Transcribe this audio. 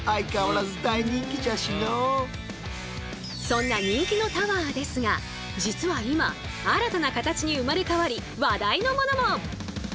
そんな人気のタワーですが実は今新たな形に生まれ変わり話題のものも。